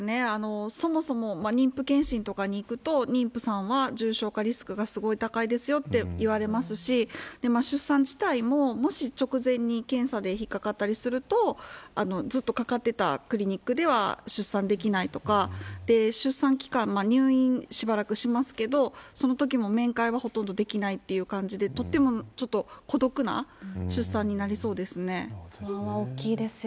そもそも妊婦検診とかに行くと、妊婦さんは重症化リスクがすごい高いですよって言われますし、出産自体ももし直前に検査で引っ掛かったりすると、ずっとかかってたクリニックでは出産できないとか、出産期間、入院、しばらくしますけど、そのときも面会はほとんどできないっていう感じで、とってもちょっと孤独な出産になりそうですね。